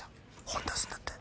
本出すんだって？